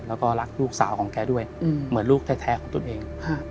แล้วก็รักลูกสาวของแกด้วยเหมือนลูกแท้ของตนเอง